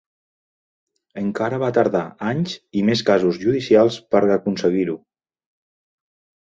Encara va tardar anys i més casos judicials per aconseguir-ho.